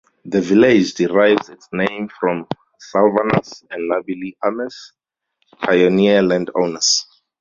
The village derives its name from Sylvanus and Nabby Lee Ames, pioneer landowners.